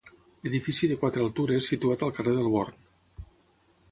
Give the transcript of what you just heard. Edifici de quatre altures situat al carrer del Born.